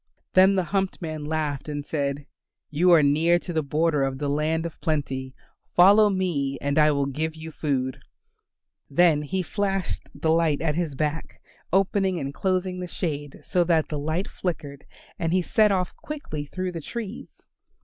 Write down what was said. Then the humped man laughed and said, "You are near to the border of the Land of Plenty; follow me and I will give you food." Then he flashed the light at his back, opening and closing the shade so that the light flickered, and he set off quickly through the trees.